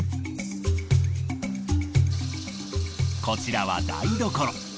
こちらは台所。